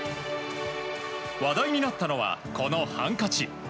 話題になったのが、このハンカチ。